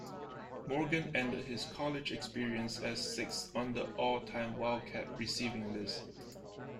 Morgan ended his college experience as sixth on the all-time Wildcat receiving list.